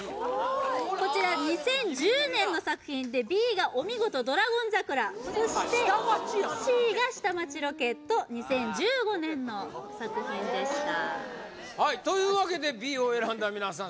こちら２０１０年の作品でＢがお見事「ドラゴン桜」そしてＣが「下町ロケット」２０１５年の作品でしたというわけでＢを選んだみなさん